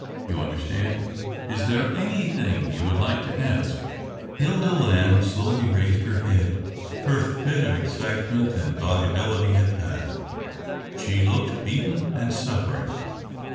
You understand ? Is there anything you would like to ask ?" Hilda Lamb slowly raised her head. Her fit of excitement and volubility had passed ; she looked beaten and suff'ering.